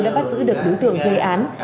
đã bắt giữ được đối tượng gây án